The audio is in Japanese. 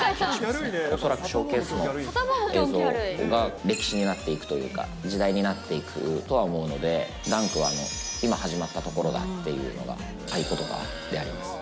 恐らくショーケースの映像が歴史になっていくというか、時代になっていくとは思うので、ダンクは今始まったところだというのが、合言葉であります。